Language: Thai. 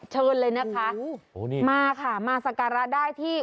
เชิญเลยนะคะโอ้นี่มาค่ะมาศกรรณ์ได้ที่